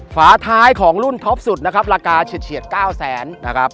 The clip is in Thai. ฝาท้ายของรุ่นธอปสุดราคาเฉียด๙๐๐๐๐๐บาท